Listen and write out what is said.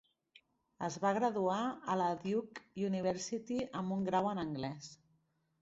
Es va graduar a la Duke University amb un grau en anglès.